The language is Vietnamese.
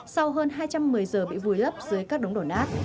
sau hơn hai trăm một mươi giờ bị vùi lấp dưới các đống đổ nát